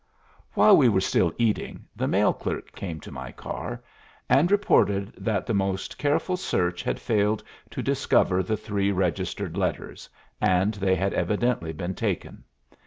While we were still eating, the mail clerk came to my car and reported that the most careful search had failed to discover the three registered letters, and they had evidently been taken.